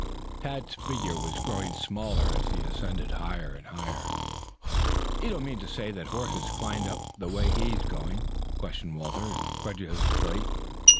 Tad's figure was growing smaller as he ascended higher and higher. "You don't mean to say that horses climbed up the way he is going!" questioned Walter incredulously.